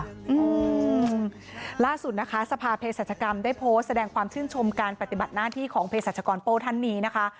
อืมล่าสุดนะคะสภาเพศรัชกรรมได้โพสต์แสดงความชื่นชมการปฏิบัติหน้าที่ของเพศรัชกรโป้ท่านนี้นะคะ